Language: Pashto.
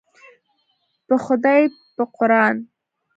په خدای په قوران.